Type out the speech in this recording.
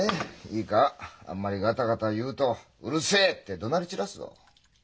いいかあんまりガタガタ言うと「うるせえ！」ってどなり散らすぞ。